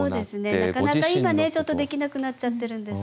なかなか今ねちょっとできなくなっちゃってるんですけど。